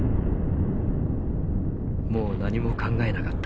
「もう何も考えなかった。